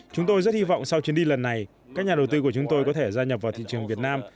chúng tôi rất hy vọng sau chuyến đi lần này các nhà đầu tư của chúng tôi có thể gia nhập vào thị trường việt nam